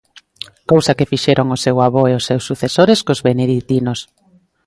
Cousa que fixeron o seu avó e os seus sucesores cos Beneditinos.